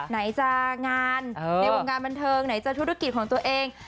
ไหนจะงานในวงการบันเทิงไหนจะธุรกิจของตัวเอง